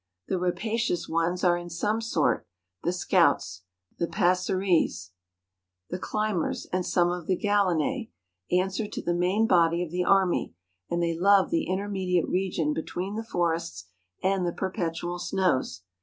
The rapacious ones are in some sort, the scouts; the passeres, the climbers, and some of the gallinse, answer to the main body of the army; and they love the intermediate region between the forests and the perpetual snows.